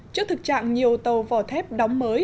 trước thực trạng nhiều tàu vỏ thép đóng mới